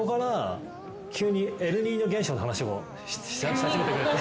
エルニーニョ現象の話をし始めてくれて。